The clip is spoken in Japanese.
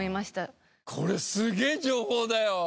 これすげえ情報だよ！